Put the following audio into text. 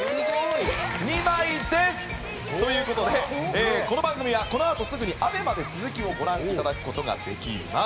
２枚です！という事でこの番組はこのあとすぐにＡＢＥＭＡで続きをご覧頂く事ができます。